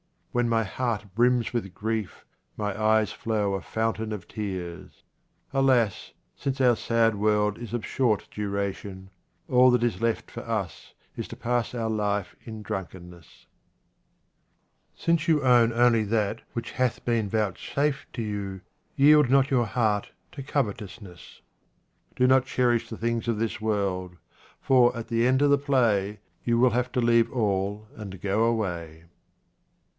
When my heart brims with grief, my eyes flow a foun 28 QUATRAINS OF OMAR KHAYYAM tain of tears. Alas ! since our sad world is of short duration, all that is left for us is to pass our life in drunkenness. Since you own only that which hath been vouchsafed to you, yield not your heart to covetousness. Do not cherish the things of this world, for at the end of the play you will have to leave all and go away.